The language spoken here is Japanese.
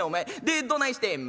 でどないしてん？」。